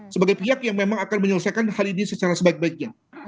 sebagai pihak yang memang akan menyelesaikan hal ini secara sebaik baiknya